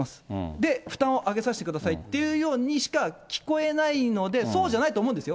で、負担を上げさせてくださいっていうようにしか聞こえないので、そうじゃないと思うんですよ。